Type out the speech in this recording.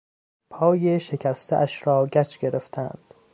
پای شکستهاش را گچ گرفتند.